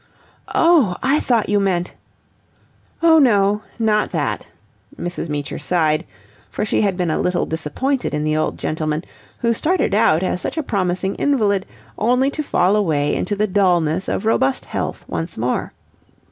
"Oh, I thought you meant..." "Oh no, not that." Mrs. Meecher sighed, for she had been a little disappointed in the old gentleman, who started out as such a promising invalid, only to fall away into the dullness of robust health once more.